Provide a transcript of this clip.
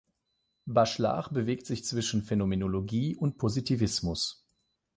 Bachelard bewegt sich zwischen Phänomenologie und Positivismus.